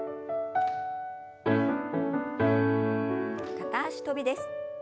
片脚跳びです。